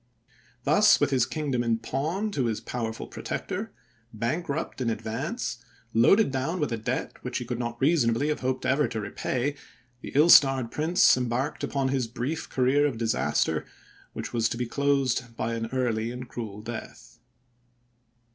Thus with his kingdom in pawn to his powerful pro tector, bankrupt in advance, loaded down with a debt which he could not reasonably have hoped ever to repay, the ill starred prince embarked upon his brief career of disaster, which was to be closed by an early and cruel death.